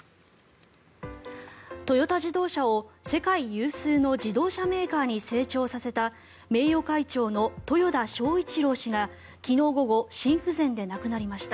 トヨタ自動車を世界有数の自動車メーカーに成長させた名誉会長の豊田章一郎氏が昨日午後心不全で亡くなりました。